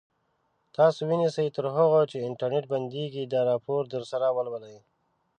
تاسو ونیسئ تر هغو چې انټرنټ بندېږي دا راپور درسره ولولئ.